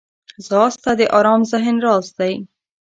ځغاسته د ارام ذهن راز دی